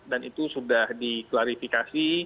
dan itu sudah diklarifikasi